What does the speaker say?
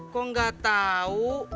kok enggak tau